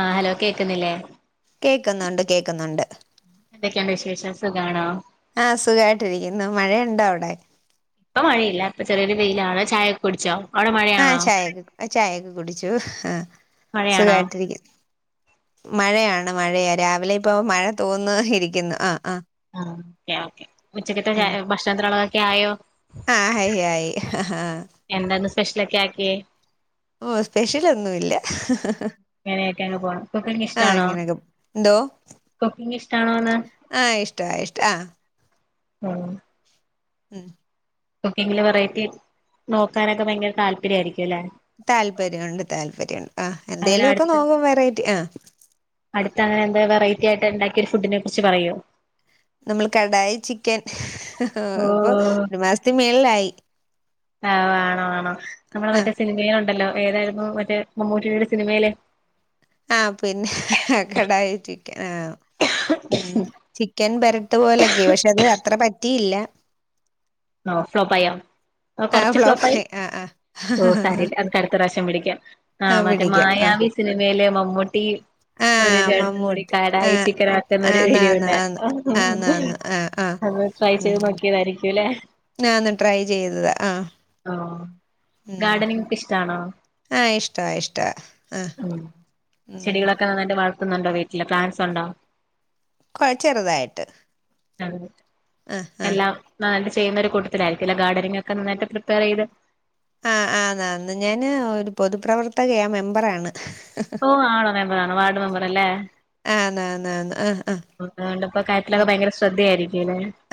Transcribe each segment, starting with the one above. ആഹ hello കേക്കുന്നില്ലേ കേൾക്കുന്നുണ്ട് കേക്കുന്നുണ്ട് എന്തൊക്കെയാാണ് വിശേഷവാസം കാണോ ആഹ സുഖായിട്ടി ഇരിക്കുന്നു മഴയുണ്ടോ അവിടെ ഇപ്പൊ മഴയില്ല ഇപ്പ ചെറിയരു പെയിലാണ് ചായ ഒക്കെ കുടിച്ചാവോ ആഹ ചായയൊക്കെ ചായൊക്കെ കുടിച്ചു ആഹ മഴയാണോ സുഖായിട്ടിരിക്കുന്നു മഴയാണ് മഴയ രാവിലെ ഇപ്പ മഴ തോന്ന ഇരിക്കുന്നു ആഹ് ആഹ് ആ ഓക്കെ ഓക്കെ ഉച്ചക്കത്തെ ഭക്ഷണത്തിലളവ ക്കോ ആഹ ഹയി ആയി ആഹ എന്താന്ന് സ്പെഷ്യലൊക്കെ ആക്കി ഓ സ്പെഷ്യൽൊന്നുല്ല അങ്ങനെക്കെ പോണം കുക്കിങ് ഇഷ്ടാണോ ഇങ്ങനെയൊക്കെ എന്തോ കുക്കിംഗ്‌ ഇഷ്ടാണോന്ന് ആഹ് ഇഷ്ട ഇഷ്ട ആഹ് ആഹ ഉം കുക്കിങ്ങില് വെറൈറ്റി നോക്കാനൊക്കെ ഭയങ്കര താല്പര്യ ആയിരിക്കും താല്പര്യംണ്ട് താല്പര്യംണ്ട് ആ അങ്ങനെ എന്തേലും ഒക്കെ അടുത്ത് നോക്കും വെറൈറ്റി ആ അടുത്തങ്ങനെ എന്താ വെറൈറ്റി ആയിട്ട് ഉണ്ടാക്കിയ ഫുഡിനെ കുറിച്ച് പറയോ നമ്മൾ കടായി ചിക്കൻ ആ ഇപ്പൊ ഒരു മാസത്തി മേളിലായി ആഹ വേണോ വേണോ നമ്മളെ ആഹ് മറ്റേ സിനിമൽ ഉണ്ടല്ലോ ഏതായിരുന്നു മറ്റേ മമ്മൂട്ടടിയുടെ സിനിമയിലെ ആഹ പിന്നെ കാടായി ചിക്കൻ ആഹ ഉം ചിക്കൻ ബര പോലൊക്കെ പക്ഷെ അത് അത്ര പറ്റ പറ്റിയില്ല ആഹ ഫ്ലോപ്പായ ആ കൊറച്ച് ഫ്ലോപ്പ ആായി ഫ്ലോപ്പായി ആ ആ ഓ സരി അക്കടുത്ത പ്രാവശ്യം പിടിക്കാം ആ മറ്റേ പിടിക്കാം ആ മായാവി സിനിമയില് മമ്മൂട്ടി ആ ഒരു ചേട്ടും കൂടി മമ്മൂട്ടി ആ കടായി ചിക്കൻ ആക്കുന്ന ഒരു ആന്ന് ആന്ന് വീഡിയോണ്ട ആന്ന് ആന്ന് ആന്ന് ആ ആ അത് ട്രൈ ചെയ്ത് നോക്കിയതായിരിക്കുംല്ലേ ഞാന്ന് ട്രൈ ചെയ്തത് ആ ആ ഗാർഡനിങ്ക്ക് പിഷ്ടമാണോ ആഹ ഇഷ്ടാ ഇഷ്ടാ ആഹ ഉ തുന്നുണ്ടോ വീട്ടില് പ്ലാൻസ് ഉണ്ടോ കുഴ ചെറുതായിട്ട് ആ ആ ആ എല്ലാം ന ചെയ്യുന്നരു കൂട്ടത്തിലായിരിക്കല്ല ഗർഡനിങ് ഒക്കെ നിന്നട്ട് പ്രിപ്പയർ ചെയ്ത് ആ ആത ഞാന് ഒരു പൊതുപ്രവർത്തക ആ മെമ്പറാണ് ഓ ആണോ മെമ്പറ ആണോ വാർഡ് മെമ്പറ അല്ലേ ആന്നാന്നാന്ന് ആ ആ അതുകൊണ്ടപ്പോ കാര്യത്തിലൊക്കെ ഭയങ്കര ശ്രദ്ധയായിരിക്കും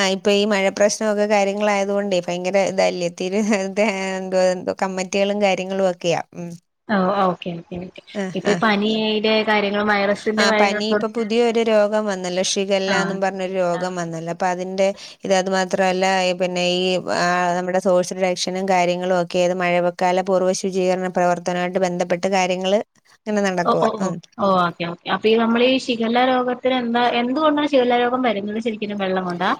ആ ഇപ്പോ ഈ മഴ പ്രശ്നമൊക്കെ കാര്യങ്ങളായതുക കൊണ്ട്േ ഭയങ്കര ഇതല്യത്തിന് അ എന്തോ എന്ത കമ്മറ്റികളും കാര്യങ്ങളും ഒക്കെയാ ഉ ആ ഓക്കെ പി ഇപ്പൊ പനിയടെ ആ പനി ഇപ്പൊ പുതിയൊ ഒരു രോഗം വന്നല്ലോ ആഹ് ഷിഗല്ലന്നും പറഞ്ഞരു ശിഖല്ല രോഗം വന്നല്ലോ അപ്പൊ അതിന്റെ ഇത് അത് മാത്ര അല്ല പിന്നെ ഈ ആ നമ്മുടെ സോഴ്സ് രക്ഷനും കാര്യങ്ങളും ഒക്കെ ഏത് മഴക്കാല പൂർവ്വ ശുചീകരണ പ്രവർത്തനമായിട്ട് ബന്ധപ്പെട്ട് കാര്യങ്ങൾ ഓ ഓ ഓ ഓ ഓക്കെയാവും അപ്പൊ ഈ നമ്മൾ ഈ ശികല്ല രോഗത്തിന് എന്താ എന്തുകൊണ്ടാണ് ശികല്ല രോഗം വരുന്നത് ശരിക്കും വെള്ളം കൊണ്ടാ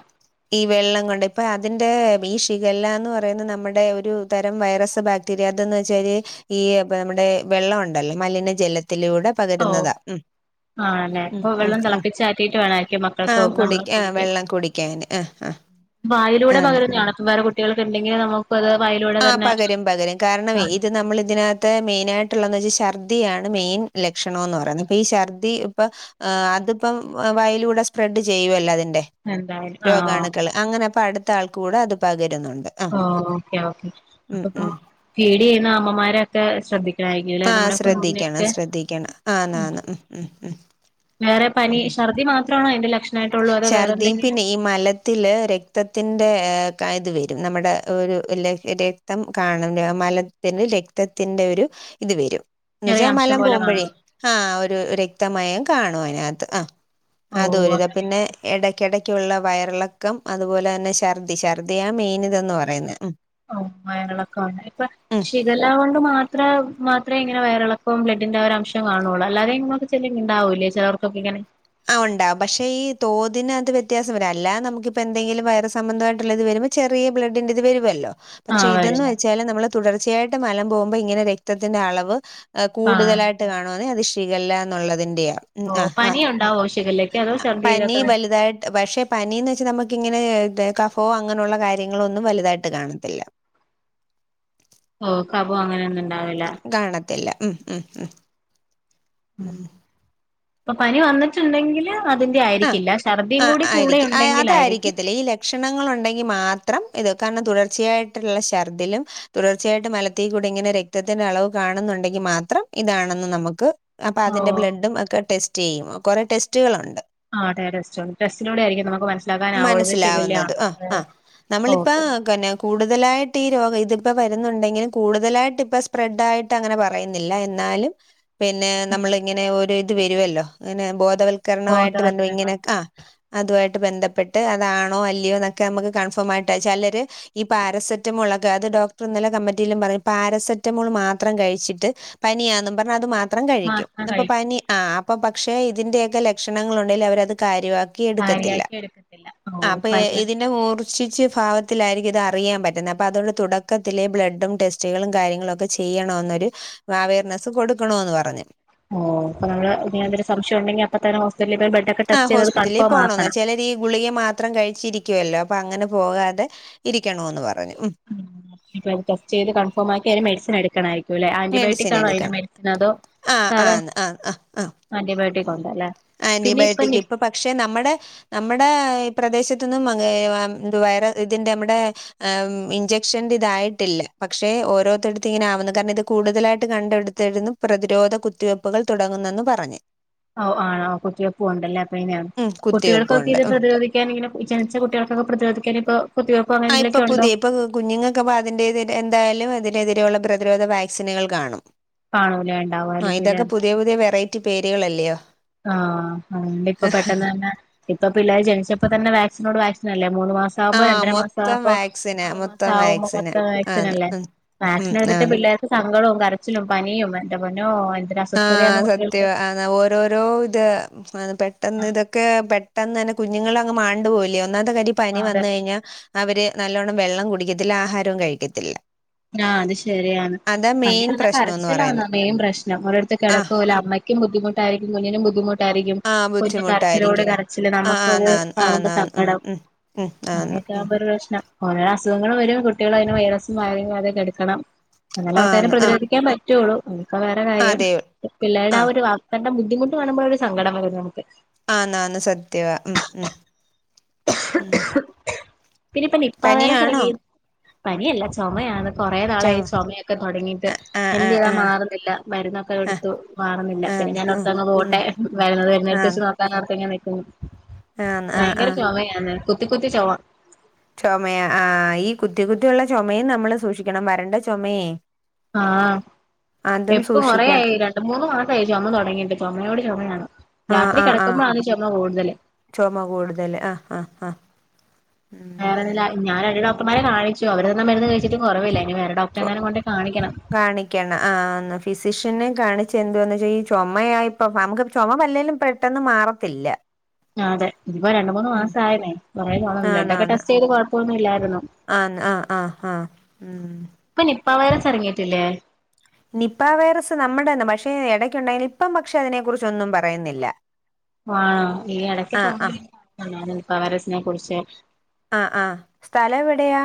ഈ വെള്ളം കൊണ്ട് ഇപ്പൊ അതിന്റെ ഏ ഈ ഷിഖല്ല എന്ന് പറയുന്നെ നമ്മടെ ഒരു തരം വൈറസ് ബാക്ടീരിയ അകത്ത്ന്ന് വെച്ചാൽ ഈ ഇപ്പ നമ്മുടെ വെള്ളം കൊണ്ടല്ലെ മലിന ജല ത്തിലൂടെ ഓ പകരുന്നതാ ഉം ആണല്ലേ അപ്പൊ ഉം വെള്ളം ഉം തിളപ്പിച്ചാറ്റിയിട്ട് വേണായിരിക്കും ആ മക്കൾക്ക് കുടി നമ്മള് ആ കുടിക്കാൻ വെള്ളം കുടിക്കാന് ആ വായിലൂടെ ആന്ന്. പകരുന്നെയാണ് അപ്പം വേ കുട്ടികൾക്ക് ഇണ്ടെങ്കി അത് നമ്മ ആ പകരും പകരും കാരണവെ ഇത് നമ്മൾ ഇതിനകത്തെ മെയിനായിട്ട് ഇള്ളെന്ന് വെച്ചാ ഷർ ർദ്ദിയാണ് മെൻ ലക്ഷണോന്ന് പറയുന്നെ ഇപ്പ ഈ ഛർദി ഇപ്പ ഏ അതിപ്പം വായിലൂടെ സ്പ്രെഡ് ചെയ്യുവല്ലെ അതി ടെ എന്തായാലും ആഹ് രോഗാണുക്കൾ അങ്ങനെ ഇപ്പം അട് ത്തെ ആൾക്ക് കൂടെ അത് പകരു ഓ ക്കെ ഓക്കെ അപ്പ ഉം ഇപ്പം ഉം. ഫീഡ് ചെയ്യുന്ന അമ്മമാരൊ ക്കെ ശ്രദ്ധി ആ ശ്രദ്ധിക്കണം ശ്രദ്ധിക്കണം ആന്ന് ആന്ന് ഉം ഉം ഉം ഉം ട്ടാണോ അയിന്റെ [unintelligible] ശർദി പിന്നെ ഈ മലത്തില് രക്തത്തിന്റെ ഏ കാ ഇത് വരും നമ്മടെ ഒരു ലെ രക്തം കാണൽ മലത്തിൽ രക്തത്തിന്റ ഒരു ഇത് വരും ന്ന് ചെറിയ വെച്ചാ അംശം മലം പോലെ പോവ്മ്പഴേ കാണോ ആ ഒരു രക്തമായ കാണും അയിനകത്ത് ആ ഓ അങ്ങെനെ എടയ്ക്ക് എടയ്ക്കുള്ള വയറിളക്കം അതുപോലെ തന്നെ ഛർദി ഛർദിയാണ് മെയിൻ ഇതെന്ന് പറയുന്നെ ഓ മയങ്ങളൊക്കെ ഉണ്ടായി ഇപ്പൊ ഉം ഷിഗല്ല കൊണ്ട് മാ ത്ര മാത്രെ ഇങ്ങന വയറിളക്കും ബ്ലഡിന്റെറെ ഒരു അംശം കാണള്ളൂ അല്ലതെ [unintelligible] ഇണ്ടാവൂലെ ചെലർക്ക് ഒക്കെ ഇങ്ങനെ ആ ഒണ്ടാവും പക്ഷെ ഈ തോതിൻ അകത്ത് വ്യത്യാസം വരും അല്ലതെ നമുക്കിപ്പ എന്തെങ്കിലും വയറു സംബന്ധമായിട്ടുള്ള ഇത് വരുമ്പോ ചെറിയ ബ്ലഡിന്റെ ഇത് വരുവല്ലോ ആ പക്ഷെ ഇതെന്ന് വരുന്നത് വെച്ചാൽ നമ്മൾ തുടർച്ചയായിട്ട് മലം പോവുമ്പോ ഇങ്ങനെ രക്തത്തിന്റെ അളവ് ആ കൂതലായിട്ട് കാണും അതെ അത് ഇഷ് ഷികല്ല എന്ന് ഒള്ളതിൻ്റെയാ ഓ പനി ഉ അ പനി വലുതായിട്ട് പക്ഷെ പനിന്നു വെച്ചാ നമുക്ക് ഇങ്ങനെ ത് കഫോ അങ്ങനെ ഉള്ള കാര്യങ്ങളൊന്നും വലുതായിട്ട് കാണത്തില്ല ഓ കഫം അങ്ങനെന്നെ കാണത്തില്ല ഉം ഉം ഉം ഉം അപ്പൊ പനി വന്നിട്ടുണ്ടെങ്കില് അതിന്റെ ആ ആയിരിക്കില്ല ഛർദിയും ആ കൂടി കൂടെ ആയിരിക്കും ഉണ്ടെങ്കിലായിരിക്കും അതായിരിക്കത്തില്ലേ ഈ ലക്ഷണങ്ങൾ ഉണ്ടെങ്കി മാത്ര മാത്രം ഇത് കാരണം തുടർച്ചയായിട്ടുള്ള ഛർദിലും തുടർച്ചയായിട്ട് മലത്തിൽ കൂടി ഇങ്ങനെ രക്തത്തിന്റെ അളവ് കാണുന്നുണ്ടെങ്കിൽ മാത്രം ഇതാണെന്ന് നമുക്ക് അപ്പൊ ഓ അതിന്റെ ബ്ലഡും ഒക്കെ ടെസ്റ്റ് ചെയ്യും കൊറേ ടെസ്റ്റുകളുണ്ട് ആ ടെസ്റ്റുണ്ട് ടെസ്റ്റിലൂടെ ആയിരിക്കും നമുക്ക് മനസി മനസ്സിലാവുന്നത് ആ ആ നമ്മളിപ്പൊ ഓക്കെ പിന്നെ കൂടുതലായിട്ട് ഈ രോഗം ഇതിപ്പോ വരുന്നുണ്ടെങ്കിലും കൂടുതലായിട്ട് ഇപ്പ സ്പ്രെഡ് ആയിട്ട് അങ്ങനെ പറയുന്നില്ല എന്നാലും പിന്നെ നമ്മളിങ്ങനെ ഒരു റ്റ് വരുമല്ലോ അങ്ങനെ ബോ ബോധവൽക്കാരനായിട്ട് വന്ന് ഇങ്ങനെ ബോധവൽക്കരണം ആ അതുമായിട്ട് ബന്ധപ്പെ ട്ട് അതാണോ അല്ലയോ എന്നൊക്കെ നമ്മക്ക് കൺഫോം ആയിട്ട് പെലര് പാരസെറ്റമോളൊക്കെ അത് ഡോക്ടർഇന്നലെ കമറ്റീലും പറ പാരസെറ്റമോൾ മാത്രം കഴിച്ചിട്ട് പനിയാന്നും പറഞ്ഞ് അത് മാത്ര ത്രം കഴുകിക്കും മാത്രം ഇതു പ്പോ കഴിക്കും പനി ആ അപ്പ പക്ഷെ ഇതിന്റെയൊക്കെ ലക്ഷണങ്ങൾ ഉണ്ടെങ്കിൽ അവരത് കാര്യവാക്ക് കാര്യവാക്കി എടുക്ക് ആ അപ്പൊ ഇതിന്റെ മൂർ ശിച്ച ഭാവത്തിലായിരിക്കും ഇതറിയാൻ പറ്റുന്നത് അപ്പൊ തുടക്കത്തിലേ ബ്ലഡും ടെസ്റ്റുകളും കാര്യങ്ങളും ചെയ്യണം എന്നൊരു അവർനെസ്സ് കൊടുക്കണമെന്ന് പറഞ്ഞു ഓഹ് അപ്പൊ നമ്മള് ഇങ്ങനെ ഒരു സംശയം ഉണ്ടെങ്കിൽ അപ്പ തന്നെ ഹോസ്പിറ്റലിൽ പോയി ബ്ലഡ് ഒക്കെ ആഹ് ടെസ്റ്റ് ചെയ്തത് ഹോസ്പിറ്റലിൽ കൺഫോം പോണോന്ന് ആക്കണം ചിലര് ഈ ഗുളിക മാത്രം കഴിച്ചിരിക്കുവല്ലോ അപ്പൊ അങ്ങനെ പോകാതെ ഇരിക്കണം എന്ന് പറഞ്ഞു ഉം ബ്ലഡ് ടെസ്റ്റ് ചെയ്ത് കൺഫോം ആക്കി മെഡിസിൻ എടുക്കണായിരിക്കും അല്ലെ ആന്റിബയോട്ടിക് മെഡിസിൻ ആണോ അതിന് എടുക്കണം മെഡിസിൻ അതോ ആഹ് സാധാ ആന്ന് ആഹ് ആഹ് ആന്റിബയോട്ടിക് ഉണ്ടല്ലേ പിന്നെ ആന്റിബയോട്ടിക് നിപ ഇപ്പൊ പക്ഷെ നമ്മുടെ നമ്മുടെ പ്രദേശത്തൊന്നും ഇതിന്റെ നമ്മുടെ ഇഞ്ചക്ഷന്റെ ഇതായിട്ടില്ല പക്ഷെ ഓരോത്തടുത്ത് ഇങ്ങനെ ആകുന്നു കാരണം ഇത് കൂടുതലായിട്ട് കണ്ടെടുത്തിരുന്നു പ്രതിരോധ കുത്തിവെപ്പുകൾ തുടങ്ങുന്നെന്നു പറഞ്ഞു ഓ ആണോ കുത്തിവെപ്പും ഉണ്ടല്ലേ പിന്നെ ഉം കുട്ടികൾക്കൊക്കെ കുത്തിവെപ്പുണ്ട് ഇത് ഉം. പ്രതിരോധിക്കാൻ ഇങ്ങനെ ജനിച്ച കുട്ടികൾക്കൊക്കെ പ്രതിരോധിക്കാൻ പ്പൊ ആ ഇപ്പൊ പുതിയ ഇപ്പൊ കുഞ്ഞുങ്ങൾക്ക് അതിന്റെ എന്തായാലും അതിനെതിരെയുള്ള പ്രതിരോധ വാക്സിനുകൾ കാണും കാണൂലേ ആ ഉണ്ടാവായിരിക്കൂലേ ഇതൊക്കെ പുതിയ പുതിയ വെറൈറ്റി പേരുകളല്ലേ യ്യോ ആഹ് ഉം ഇപ്പൊ പെട്ടന്ന് തന്നെ ഇപ്പൊ പിള്ളേര് ജനിച്ചപ്പോ തന്നെ വാക്സിനോട് വാക്സി നല്ലേ മൂന്ന് മാസം ആ ആകുമ്പോ രണ്ടര മാസം മൊത്തം ആവുമ്പോ വാക്സിനാ ആറു മാസം മൊത്തം ആവുമ്പോ വാക്സിനാ മൊത്തം ആന്ന് വാക്സിനല്ലേ ഉം ഉം വാക്സിൻ എടുത്ത് ആന്ന് പിള്ളേർക്ക് സങ്കടാവും കരച്ചിലും പനിയും എന്റെ പൊന്നോ എന്തൊരു അസ്വസ്ഥതയാന്ന് ആഹ് കുട്ടികൾക്ക് സത്യവാ അതാ ഓരോരോ ഓഹ് ഇത് എ പെട്ടെന്ന് ഇതൊക്കെ പെ ട്ടെന്ന് തന്നെ കുഞ്ഞുങ്ങളങ് മാണ്ട് പോവല്ലോ ഒന്നാമത്തെ കാര്യം ഈ പനി ആഹ് അതെ വന്ന് കഴിഞ്ഞാ അവര് നല്ലോണം വെള്ളം കുടിക്കത്തില്ല ആഹാരവും കഴിക്കത്തില്ല. ആഹ് അത് ശരിയാണ് അതാ പനി മെയിൻ വന്നാ പ്രശ്നംന്ന് കരച്ചിലാണ് പറയുന്നെ മെയിൻ പ്രശ്നം ഒരു [unintelligible] ആഹ് കെടക്കൂല അമ്മക്കും ബുദ്ധി മുട്ടായിരിക്കും കുഞ്ഞിനും ബുദ്ധിമുട് ട്ടായിരിക്കും ആഹ് കുഞ്ഞ് കരച്ചിലോട് ബുദ്ധിമുട്ടായിരിക്കും കരച്ചില് ആഹ് നമുക്കത് ആന്നാന്ന് കാണുമ്പോ ആന്നാന്ന് ഉം സങ്കടം ഉം ഉം ആന്ന് അങ്ങനെയൊക്കെ ഉം ആവുമ്പോ ഒരു പ്രശ്നം ഓരോ അസുഖങ്ങള് വരും കുട്ടികൾ അതിന് വൈറസും [unintelligible] അതെക്കെടുക്കണം നല്ല ആൾക്കാരെ ആന്ന് ആഹ് പ്രതിരോധിക്കാൻ പറ്റ ട്ടുള്ളു ക്ക വേറെ കാര്യം അതെ പിള്ളേയുടെ ആ ആഹ് ഒരു [unintelligible] ബുദ്ധിമുട്ടു കാണുമ്പോൾ ഒരു സങ്കടം വരും നമ്മൾക്ക് ആന്നാന്ന് സത്യവാ ഉം ഉം ഉം പിന്നീയിപ്പം നിപ്പ വയറസ്സ് പനിയാണോ ഇറങ്ങി പനിയല്ല ചൊമയാണ് കുറെ ചൊമ നാളായി ചുമയൊക്കെ തുടങ്ങിയിട്ട് ആഹ് എന്ത് ആഹ് ചെയ്താൽ ആഹ് മാറുന്നില്ല മരുന്നൊക്കെ ആഹ് ആഹ് എടുത്തു മാറുന്നില്ല പിന്നെ ആന്ന് ഞാൻ ആഹ് ഓർത്തു അങ്ങ് ഉം പോട്ടെ വരുന്നത് വരുന്നടുത്ത് വെച്ച് ആന്ന് നോക്കാനോർത്ത് ഉം ആന്ന് ആഹ് ആഹ് ചൊമയാണ് കുത്തി കുത്തി ചൊമ ചുമ ആഹ് ഈ കുത്തി കുത്തിയുള്ള ചുമയും നമ്മള് സൂക്ഷിക്കണം വരണ്ട ചുമയെ ആഹ് എപ്പം സൂക്ഷിക്കണം കൊറയായി രണ്ടു മൂന്നു മാസമായി ചുമ തുടങ്ങിയിട്ട് ചുമയോട് ചുമയാണ് ആഹ് രാത്രി ആഹ് ആഹ് കിടക്കുമ്പോഴാണ് ചുമ കൂടുതല് ചുമ കൂടുതൽ ആഹ് ആഹ് ആഹ് വേറെ [unintelligible] [unintelligible] അവര് തന്ന മരുന്ന് കഴിച്ചിട്ടും കൊറവില്ലേ കാണിക്കണം ആ ന്ന ഫിസിഷ് പിന്നേം കാണിച്ച് എന്തോന്ന് ചെയ്യു ചൊമയാ ഇപ്പ നമുക്ക് ചൊമ വല്ലേലും പെട്ടെന്ന് മാറത്തില്ല. ആ അതെ ഇതിപ്പോ രണ്ട് മൂന്ന് ഉം മാസ ആയലേ കൊറേ [unintelligible] ബ്ലഡ് ഒക്കെ ടെസ്റ്റ് ചെയ്ത് കൊഴപ്പൊന്നൂല്ലാ ആഹ്, ആഹ്, ആഹ്, ആഹ് ഉം. [unintelligible] എറങ്ങീട്ടില്ലേ? നിപ്പ വൈറസ് നമ്മുടേണ് പക്ഷേ എടയ്ക്കുണ്ടായി ഇപ്പം പക്ഷെ അതിനെ കുറിച്ച് ഒന്നും പറയുന്നില്ല. ആണോ ഈ എടക്ക് ആ ആ [unintelligible] പവരസിനെ കുറിച്ച്. ആ ആ സ്ഥലം എവിടെയാ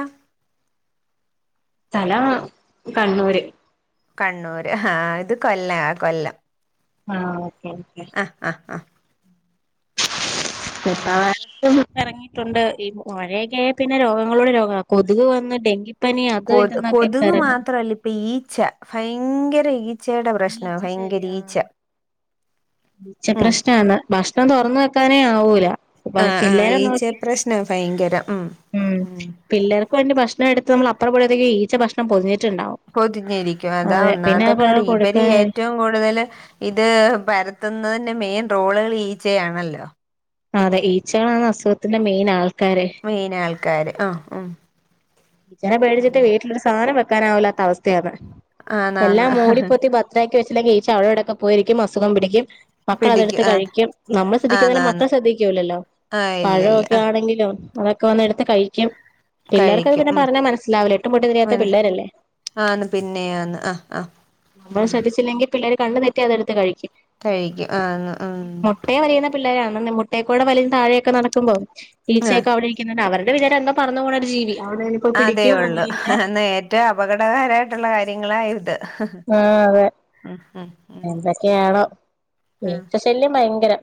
സ്ഥലം കണ്ണൂര്. കണ്ണൂര് ഹാ ഇത് കൊല്ലാ, കൊല്ലം. ആഹ്. ഓക്കെ ആഹ് ആഹ് ആഹ് ഉം [unintelligible] എറങ്ങിയിട്ടുണ്ട് ഈ മഴയക്കായാ പിന്നെ രോഗങ്ങളോട് രോഗാ, കൊതുക് വന്ന് ഡെങ്കിപ്പനി അത് കൊതു ഇതെന്നൊക്കെ ഇപ്പ കൊതുക് ഇറങ്ങ മാത്രല്ല ഇപ്പ ഈ ച്ച ഭയങ്കര ഈ ച്ചയുടെ പ്രശ്നാ ഈച്ച ശല്യം ഭയങ്കരീച്ച. ആഹ് ഈച്ച പ്രശ്നാണ് ഭക്ഷണം തുറന്ന കനെ ആവൂല ങാ ആഹ് പിള്ളേരെ ഈച്ചെയാ നോക്കി പ്രശ്നം ഭയങ്കരം ഉം പിള്ളേർക്ക് വേണ്ടി ഭക്ഷണം എടുത്ത് നമ്മള അപ്പോഴത്തേക്ക് ഈച്ച ഭക്ഷണം പൊതിഞ്ഞിര് പൊതിഞ്ഞിരിക്കും അതാ ആ ഒന്നാമത്തെക്കാര്യം പിള്ളേർക്ക് ഇവര് കൊടുക്കാൻ ഏറ്റവും കൂടുതൽ ഇത് പരത്തുന്നതി ൻറെ മെയിൻ റോളുകൾ ഈച്ചയാണല്ലോ അതെ ഈച്ചകളാണ് അസുഖത്തിന്റെ മെയിൻ ആൾക്കാ മെയിൻ ആൾക്ക കാര് ആ ഉം ഈച്ചേന പേടിച്ചിട്ട് വീട്ടിലൊരു സാധനം വയ് ക്കാനാവില്ലാത്ത അവസ്ഥയാണ് എല്ലാം ആന്നാന്ന് മൂടിപ്പൊത്തി ഭദ്രാക്കി വെച്ച ല്ലെങ്കി ഈച്ച അവിടേവിടേക്ക പോയിരിക്കും അസുഖം പിടിക്കും മക്കള അതെടുത്ത് പിടിക്കും ആഹ് കഴിക്കും നമ്മള് ശ്രദ്ധിക്കുന്നേലും ആന്നാന്ന് മക്കള് ശ്രദ്ധിക്കൂലല്ലോ ആഹ് ഇല്ല ഇല്ല പഴമൊക്കെ ആഹ് ആണെങ്കിലും- അതൊക്കെ വന്ന് എടുത്ത് കഴിക്കും കഴിക്കും ഉം പറഞ്ഞാൽ മനസിലാവില്ലേ എട്ടും പൊട്ടും തിരിയാത്ത പിള്ളേരല്ലേ ആന്ന് പിന്നെയാന്ന് ആഹ് ആഹ് നമ്മൾ ശ്രദ്ധിച്ചില്ലെങ്കിൽ പിള്ളേര് കണ്ണ് തെറ്റിയാ അതെടുത്ത് കഴിക്കും കഴിക്കും ആ ആ ആ മുട്ടേക്കൂടെ വലിയും താഴെയൊക്കെ നടക്കുമ്പോ ആഹ് ഈച്ചയൊക്കെ അവിടെ ഇരിക്കുന്നോണ്ട് അവർ എന്റെ വിചാരം എന്തോ പറന്ന് പോന്ന ഒരു ജീവി അവിടെ ഇനിയിപ്പോ അതേ പിടിക്കും ഒള്ളു അങ്ങനെ ഇങ്ങനെ എന്നാ ഏറ്റവും അപകടകരായിട്ടുള്ള കാര്യ നിങ്ങളായിട്ട് ആ അതെ ഉം എന്തൊക്കെയാണോ ഉം ഈച്ച ശല്യം ഭയങ്കരം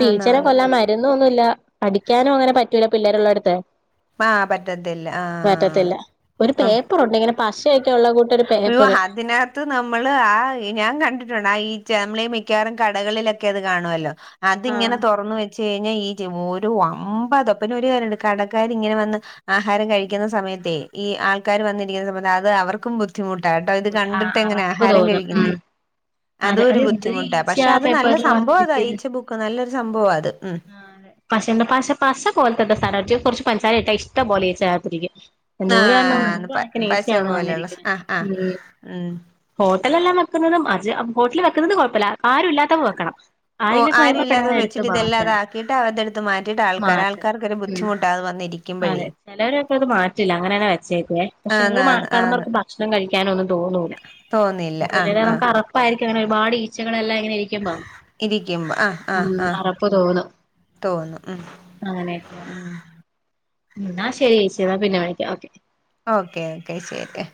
പ്പം ആന്ന് ഈച്ചനെ ആന്ന് കൊല്ലാൻ മരുന്നും ഒന്നുല്ല അടിക്കാനും അങ്ങനെ പറ്റൂല പിള്ളേരുള്ള അടുത്ത് ആ പറ്റത്തില്ല ആഹ ഉം ട്ടുഉള്ള കൂട്ടരു പേപ്പർ അത്ത് നമ്മള് ആ ഞാൻ കണ്ടിട്ടൊണ്ട് ആ ഈ നമ്മൾ ഈ മിക്കവാറും കടകളിലൊക്കെ അത് കാണുമല്ലോ അതിങ്ങനെ ആഹ് തുറന്ന് വെച്ച് കഴിഞ്ഞാൽ ഈച്ച ഒരു ഒമ്പതാ പിന്നൊരു കാര്യോണ്ട് കടക്കാർ ഇങ്ങനെ വന്ന് ആഹാരം കഴിക്കുന്ന സമയത്തെ ഈ ആൾക്കാർ വന്നിരിക്കുന്ന സമയത്ത് അത് അവർക്കും ബു [unintelligible] ധിട്ട് ആ അറപ്പ് തോന്നും ഉ അതെ അതും അത് ഒരു എന്തൊരു ബുദ്ധിമുട്ടാ ഈച്ച പക്ഷെ ആ അത് നല്ല പേപ്പറിൽ വന്ന് സംഭവം അതാ ഇരിക്കുന്നത് ഈച്ച ബുക്ക് നല്ലൊരു സംഭവം അത് ഉം പക്ഷെ എന്താ പ പശ പോലത്തെ സ്ഥല കുറച്ച് പൻസാരട്ടാ ഇഷ്ട പോലെ ഈച്ച അതിനാത്ത് ഇരിക്കും എന്തോരണ് ആഹ് പ നൂറൂകണക്ക പശ നീച്ചയാണ് പോലെയുള്ള ആഹ് ആഹ് വന്നിരിക്കുന്നത് ഉം [unintelligible] ഉം ഹോട്ടലെല്ലാം വെക്കുന്നതും അ ഹോട്ടൽ വെക്കുന്നും കുഴപ്പമില്ല ആരുല്ലാത്തപ്പ വെക്കണം ഓ ആരെങ്കിലൊക്കെ ആരും വരുമ്പോ ഇല്ലാത്തപ്പ പെട്ടെന്ന് എടുത്ത് വെച്ചിട്ട് മാറ്റണം ഇതല്ലാതാക്കിയിട്ട് അവ അത എടുത്ത് മാറ്റിയിട്ട ആൾക്കാർ മാറ്റണം ആൾക്കാർക്കൊരു ഉം ബുദ്ധിമു ബുദ്ധിമുട്ടാ ഇത് വന്നിരി അതെ ചിലവരൊക്കെ അത് മാറ്റില്ല അങ്ങനെന്നെ വെച്ചേക്കേ പക്ഷെ ആന്ന് [unintelligible] ആന്ന് ആന്ന് മാറ്റാണുന്നവർക്ക് ഭക്ഷണം കഴിക്കാനൊ ഒന്നും തോന്നൂല്ല തോന്നില്ല അപ്പ ആഹ് തന്നെ ആഹ് നമക്ക് അറപ്പ [unintelligible] ആരിക്കും അങ്ങനെ ഒരുാട് ഈച്ചകളെല്ലാം ഇരിക്കുമ്പോ ഇരിക്കുമ്പോ ആഹ് ആഹ് ഉം ആഹ് അറപ്പ് തോന്നും തോന്നും ഉം അങ്ങനെയക്കെയ എന്നാ ശരി ചേച്ചി എന്നാ പിന്നെ വിളിക്കാം ഓക്കെ ഓക്കേ ഓക്കെ ശരി